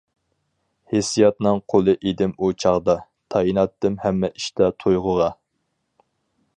ھېسسىياتنىڭ قۇلى ئىدىم ئۇ چاغدا، تايىناتتىم ھەممە ئىشتا تۇيغۇغا.